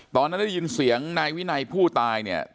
ตอนนั้นได้ยินเสียงนายวินัยผู้ตายเนี่ย